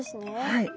はい。